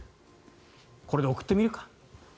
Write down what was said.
これで送ってみるか。